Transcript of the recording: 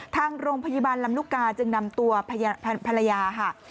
ทางโรงพยาบาลลำลูกกาจึงนำตัวภรรยาค่ะ